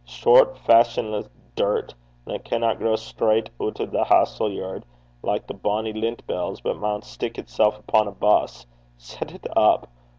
Short fushionless dirt, that canna grow straucht oot o' the halesome yird, like the bonnie lint bells, but maun stick itsel' upo' a buss! set it up!